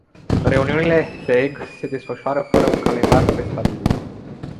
Reuniunile hleg se desfășoară fără un calendar prestabilit.